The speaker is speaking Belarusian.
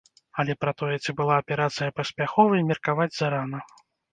Але пра тое, ці была аперацыя паспяховай, меркаваць зарана.